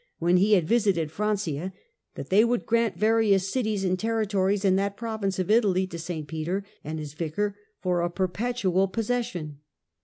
when he had visited Francia, that they would grant various cities and territories in that province of Italy to St. Peter and his vicar for a per petual possession.